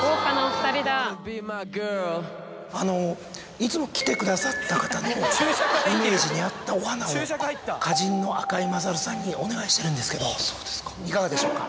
いつも来てくださった方のイメージに合ったお花を花人の赤井勝さんにお願いしてるんですけどいかがでしょうか？